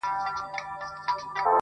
زموږ به کله د عمرونو رنځ دوا سي.!